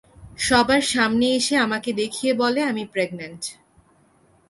সবার সামনে এসে আমাকে দেখিয়ে বলে " আমি প্রেগ্নেন্ট"।